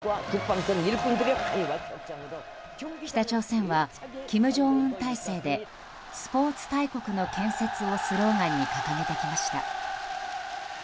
北朝鮮は金正恩体制でスポーツ大国の建設をスローガンに掲げてきました。